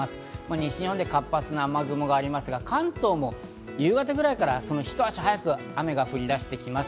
西日本で活発な雨雲がありますが、関東も夕方ぐらいから、ひと足早く雨が降り出してきます。